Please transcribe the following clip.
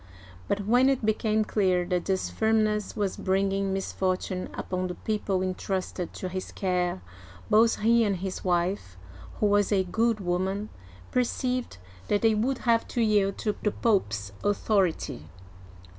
But when it became clear that this firm ness was bringing misfortune upon the people intrusted to his care, both he and his wife — who was a good woman — perceived that they would have to yield to the Pope*s authority.